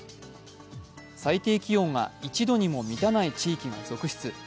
最低気温が１度にも満たない地域が続出。